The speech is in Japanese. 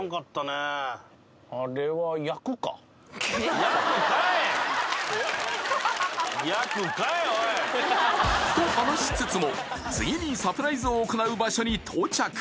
どうぞえええと話しつつも次にサプライズを行う場所に到着